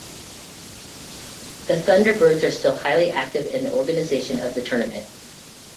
The Thunderbirds are still highly active in the organization of the tournament.